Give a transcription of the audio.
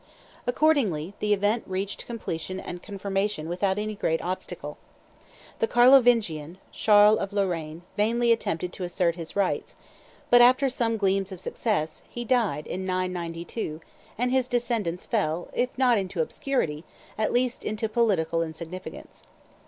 Accordingly the event reached completion and confirmation without any great obstacle. The Carlovingian, Charles of Lorraine, vainly attempted to assert his rights; but after some gleams of success, he died in 992, and his descendants fell, if not into obscurity, at least into political insignificance.